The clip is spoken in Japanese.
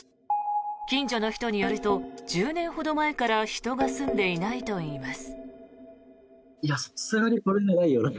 近所の人によると１０年ほど前から人が住んでいないといいます。